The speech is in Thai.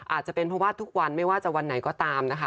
อาจจะเป็นเพราะว่าทุกวันไม่ว่าจะวันไหนก็ตามนะคะ